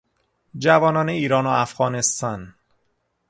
جوانان ایران و افغانستان